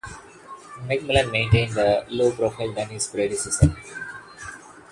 McMillan maintained a much lower profile than his predecessor.